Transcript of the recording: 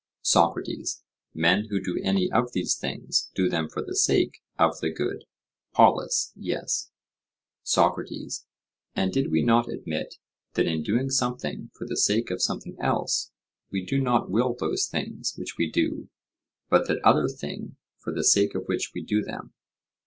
SOCRATES: Men who do any of these things do them for the sake of the good? POLUS: Yes. SOCRATES: And did we not admit that in doing something for the sake of something else, we do not will those things which we do, but that other thing for the sake of which we do them?